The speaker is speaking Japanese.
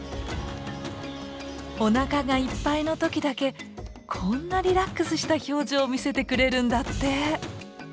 おなかがいっぱいの時だけこんなリラックスした表情を見せてくれるんだって。